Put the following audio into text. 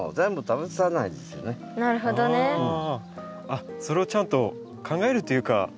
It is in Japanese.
あっそれをちゃんと考えるというか。